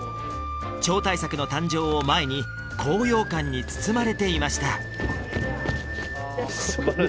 超大作の誕生を前に高揚感に包まれていました